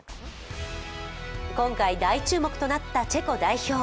今回、大注目となったチェコ代表。